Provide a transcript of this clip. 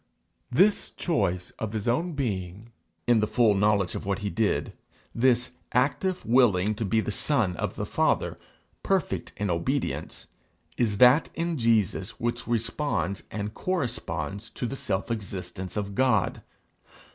This choice of his own being, in the full knowledge of what he did; this active willing to be the Son of the Father, perfect in obedience is that in Jesus which responds and corresponds to the self existence of God.